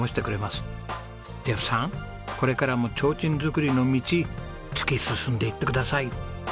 ジェフさんこれからも提灯作りの道突き進んでいってください。